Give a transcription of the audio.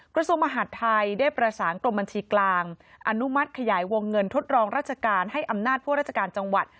กระทรวงมหาดไทยได้ประสานกรมบัญชีกลางอนุมัติขยายวงเงินทดลองราชการให้อำนาจพวกราชการจังหวัด